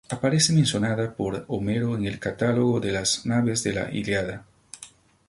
Aparece mencionada por Homero en el Catálogo de las naves de la "Ilíada".